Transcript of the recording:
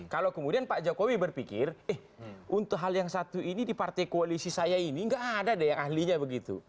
kalau kemudian pak jokowi berpikir eh untuk hal yang satu ini di partai koalisi saya ini nggak ada deh yang ahlinya begitu